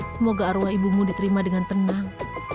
semoga arwah ibumu diterima dengan tenang